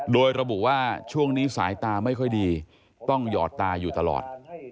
โดยระบุว่าช่วงนี้สายตาไม่ค่อยดีต้องหยอดตาอยู่ตลอด